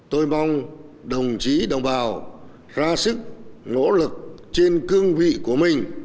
tôi mong đồng chí đồng bào ra sức nỗ lực trên cương vị của mình